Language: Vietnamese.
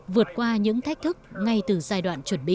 vượt qua những thách thức ngay từ giai đoạn chuẩn bị